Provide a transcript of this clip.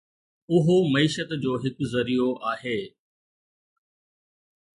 اهو معيشت جو هڪ ذريعو آهي